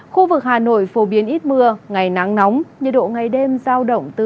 khu vực hà nội phổ biến ít mưa ngày nắng nóng nhiệt độ ngày đêm giao động từ hai mươi sáu đến ba mươi sáu độ